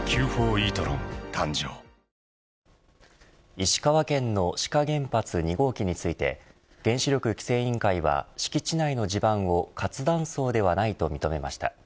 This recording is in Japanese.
石川県の志賀原発２号機について原子力規制委員会は敷地内の地盤を活断層ではないと認めました。